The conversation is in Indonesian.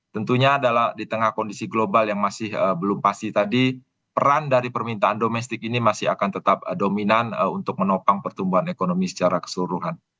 tentunya adalah di tengah kondisi global yang masih belum pasti tadi peran dari permintaan domestik ini masih akan tetap dominan untuk menopang pertumbuhan ekonomi secara keseluruhan